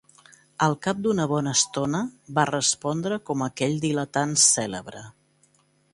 Al cap d'una bona estona, va respondre com aquell diletant cèlebre.